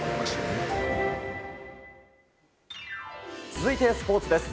続いてスポーツです。